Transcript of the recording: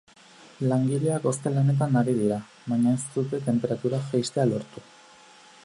Langileak hozte lanetan ari dira, baina ez dute tenperatura jaistea lortu.